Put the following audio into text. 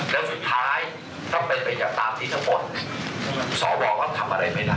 แล้วสุดท้ายถ้าไปไปอย่าตามที่จะป่นสอบว่าว่าทำอะไรไม่ได้